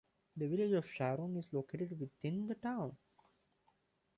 The Village of Sharon is located within the town.